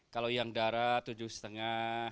kalau yang darat tujuh lima